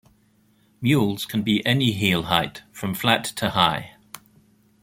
Mules can be any heel height - from flat to high.